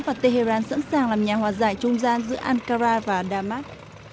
và tehran sẵn sàng làm nhà hòa giải trung gian giữa ankara và damas